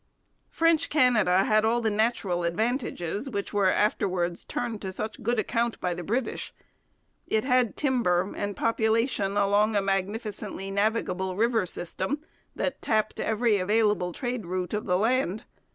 French Canada had all the natural advantages which were afterwards turned to such good account by the British. It had timber and population along a magnificently navigable river system that tapped every available trade route of the land.